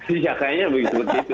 iya kayaknya begitu begitu